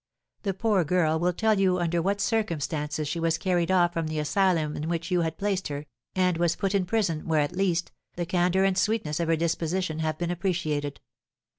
The poor girl will tell you under what circumstances she was carried off from the asylum in which you had placed her, and was put in prison, where, at least, the candour and sweetness of her disposition have been appreciated.